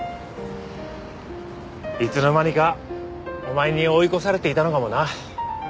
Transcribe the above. いつの間にかお前に追い越されていたのかもな。